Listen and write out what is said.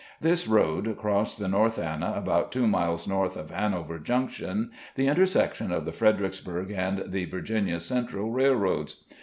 This road crossed the North Anna about two miles north of Han over Junction, the intersection of the Fredericksburg and the Virginia Central railroads.